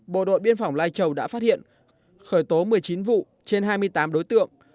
bộ đội biên phòng lai châu đã phát hiện khởi tố một mươi chín vụ trên hai mươi tám đối tượng